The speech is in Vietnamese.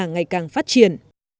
ngày càng phát triển